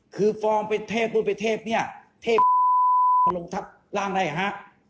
คือฟอร์มไปเทพหนัวไปเทพเนี่ยมนลงทับร่างอะไรฮะ